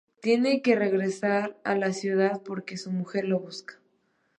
Tiene que regresar a la ciudad porque su mujer lo busca.